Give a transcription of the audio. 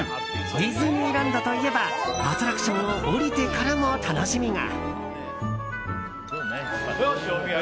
ディズニーランドといえばアトラクションを降りてからも楽しみが。